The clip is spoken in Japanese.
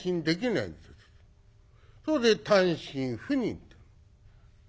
それで単身赴任と。